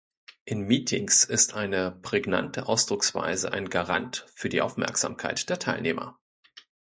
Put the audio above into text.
In Meetings ist eine prägnante Ausdrucksweise ein Garant für die Aufmerksamkeit der Teilnehmer.